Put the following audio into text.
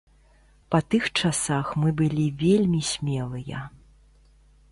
Па тых часах мы былі вельмі смелыя.